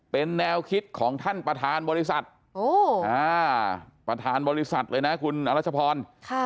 เป็นแนวคิดของท่านประธานบริษัทประธานบริษัทเลยนะคุณอรัชพร